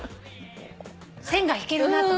線が引けるなと。